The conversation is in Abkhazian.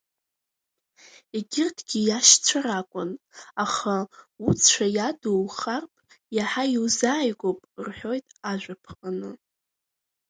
Егьырҭгьы иашьцәа ракәын, аха уцәа иаду ухарԥ иаҳа иузааигәоуп рҳәоит ажәаԥҟаны.